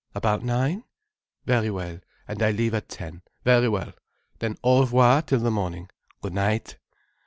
"About nine?" "Very well, and I leave at ten. Very well. Then au revoir till the morning. Good night."